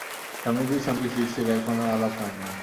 স্বামীজীর সঙ্গে শিষ্যের এখনও আলাপ হয় নাই।